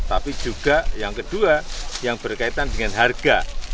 tapi juga yang kedua yang berkaitan dengan harga